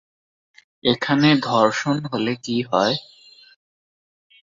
‘এখানে ধর্ষণ হলে কী হয়?’